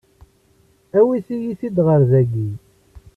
Awit-iyi-t-id ɣer dagi!